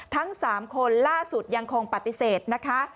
ทั้ง๓คนล่าสุดยังคงปฏิเสธนะคะ